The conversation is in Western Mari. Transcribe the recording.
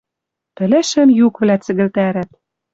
Пӹлӹшӹм юквлӓ цӹгӹлтӓрӓт.